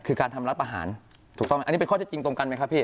คือการทำรัฐประหารถูกต้องไหมอันนี้เป็นข้อเท็จจริงตรงกันไหมครับพี่